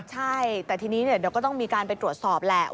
ใช่แต่ทีนี้เดี๋ยวก็ต้องมีการไปตรวจสอบแหละ